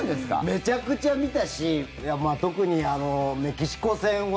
めちゃくちゃ見たし特にメキシコ戦は。